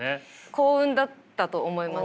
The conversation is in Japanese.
幸運だったと思います。